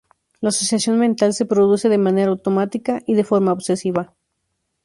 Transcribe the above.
La asociación mental se produce de manera automática y de forma obsesiva.